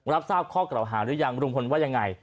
รับทราบข้อเกราะหาหรือยังเราว่ายังไง